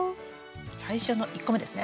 最初の１個目ですね。